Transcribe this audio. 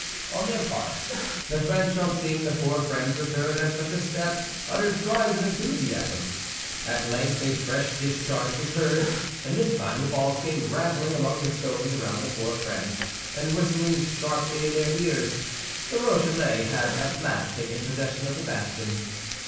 On their part, the French, on seeing the four friends return at such a step, uttered cries of enthusiasm. At length a fresh discharge was heard, and this time the balls came rattling among the stones around the four friends, and whistling sharply in their ears. The Rochellais had at last taken possession of the bastion.